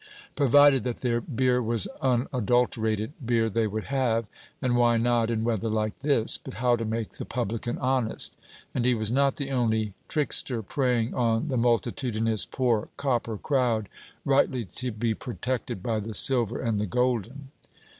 Provided that their beer was unadulterated! Beer they would have; and why not, in weather like this? But how to make the publican honest! And he was not the only trickster preying on the multitudinous poor copper crowd, rightly to be protected by the silver and the golden.